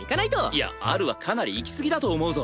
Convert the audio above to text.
いやアルはかなりいき過ぎだと思うぞ。